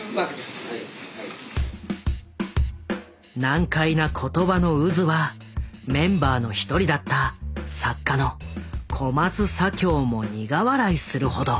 難解な言葉の渦はメンバーの一人だった作家の小松左京も苦笑いするほど。